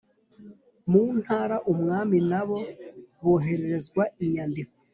mu ntara umwami na bo bohererezwa inyandiko